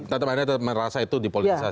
tetap anda merasa itu dipolitisasi